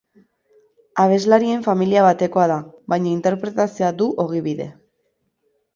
Abeslarien familia batekoa da, baina interpretazioa du ogibide.